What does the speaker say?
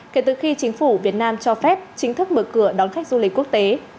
kể từ khi chính phủ việt nam cho phép chính thức mở cửa đón khách du lịch quốc tế